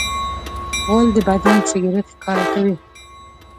غول د بدن سګرټ ښکاره کوي.